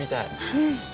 うん。